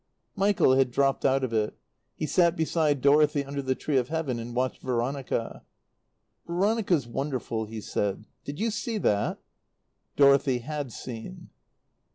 Michael had dropped out of it. He sat beside Dorothy under the tree of Heaven and watched Veronica. "Veronica's wonderful," he said. "Did you see that?" Dorothy had seen.